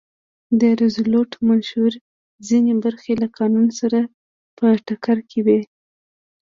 د روزولټ منشور ځینې برخې له قانون سره په ټکر کې وې.